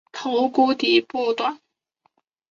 头骨顶部短宽。